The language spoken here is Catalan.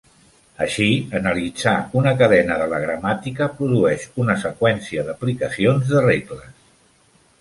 Així, analitzar una cadena de la gramàtica produeix una seqüència d'aplicacions de regles.